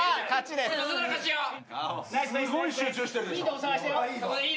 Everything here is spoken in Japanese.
すごい集中してるでしょ。